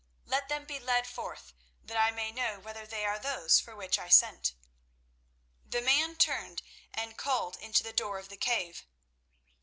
"Let them be led forth that I may know whether they are those for which I sent." The man turned and called into the door of the cave.